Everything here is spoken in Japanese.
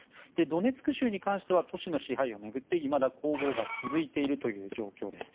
ドネツク州に関しては都市の支配を巡っていまだ攻防が続いているという状況です。